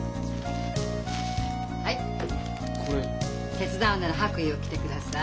手伝うんなら白衣を着てください。